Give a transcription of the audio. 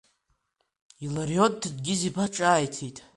Иларион Ҭенгиз-иԥа ҿааиҭит…